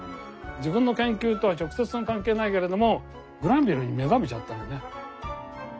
自分の研究とは直接関係ないけれどもグランヴィルに目覚めちゃったのね。